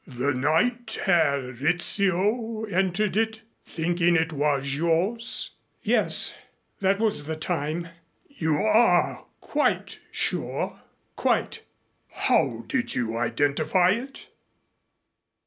"The night Herr Rizzio entered it, thinking it was yours?" "Yes. That was the time." "You are quite sure?" "Quite." "How did you identify it?"